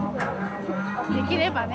できればね。